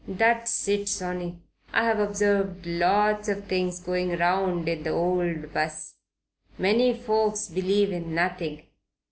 That's it, sonny. I've observed lots of things going round in the old 'bus. Most folks believe in nothing.